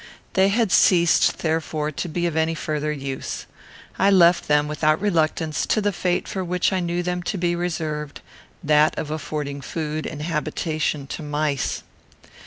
They had ceased, therefore, to be of any further use. I left them, without reluctance, to the fate for which I knew them to be reserved, that of affording food and habitation to mice.